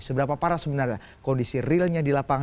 seberapa parah sebenarnya kondisi realnya di lapangan